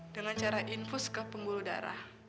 dengan cara infus ke pembuluh darah